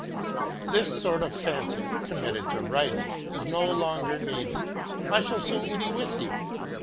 This sort of fancy committed to writing is no longer needed. I shall soon be with you.